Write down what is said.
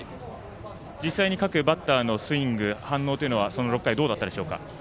実際に各バッターのスイング反応というのはどうだったんでしょうか。